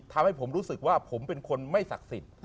ทำให้ผมรู้สึกว่าผมเป็นคนไม่ศักดิ์สิทธิ์